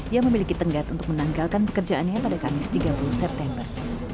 yang memiliki tenggat untuk menanggalkan pekerjaannya pada kamis tiga puluh september